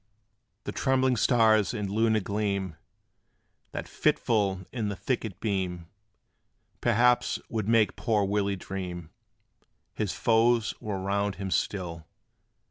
The trembling stars and lunar gleam, That fitful in the thicket beam, Perhaps would make poor Willie dream His foes were round him still.